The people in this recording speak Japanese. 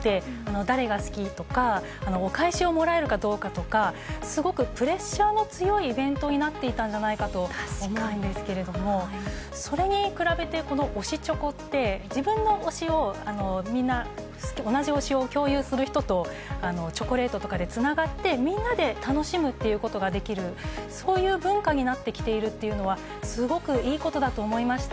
誰が好きとかお返しをもらえるかどうかとかすごくプレッシャーの強いイベントになっていたんじゃないかと思うんですけどそれに比べてこの推しチョコって自分の推しをみんなで同じ推しを共有する人とチョコレートとかでつながってみんなで楽しむことができるそういう文化になってきているのはすごくいいことだと思いました。